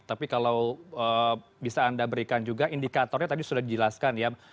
tapi kalau bisa anda berikan juga indikatornya tadi sudah dijelaskan ya